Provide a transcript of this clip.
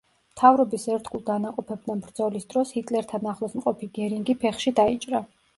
მთავრობის ერთგულ დანაყოფებთან ბრძოლის დროს ჰიტლერთან ახლოს მყოფი გერინგი ფეხში დაიჭრა.